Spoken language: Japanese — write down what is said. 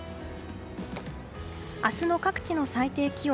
明日の各地の最低気温。